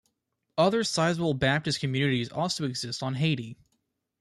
Other sizable Baptist communities also exist on Haiti.